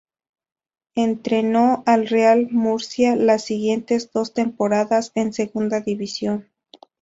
Entrenó al Real Murcia las siguientes dos temporadas en Segunda División.